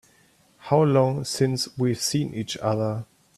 How long since we've seen each other?